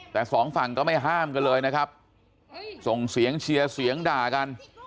แต่สองฝั่งก็ไม่ห้ามกันเลยนะครับส่งเสียงเชียร์เสียงด่ากัน